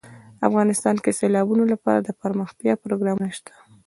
افغانستان کې د سیلابونه لپاره دپرمختیا پروګرامونه شته.